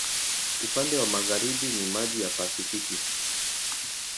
Upande wa magharibi ni maji wa Pasifiki.